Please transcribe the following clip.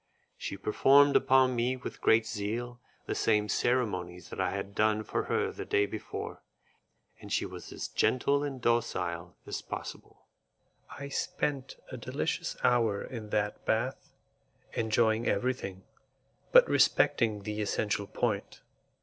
She performed upon me with great zeal the same ceremonies that I had done for her the day before, and she was as gentle and docile as possible. I spent a delicious hour in that bath, enjoying everything, but respecting the essential point.